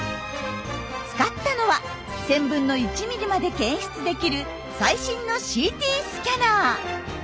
使ったのは１，０００分の１ミリまで検出できる最新のＣＴスキャナー。